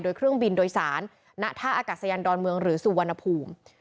โดยเครื่องบินโดยสารณท่าอากาศยานดอนเมืองหรือสุวรรณภูมิ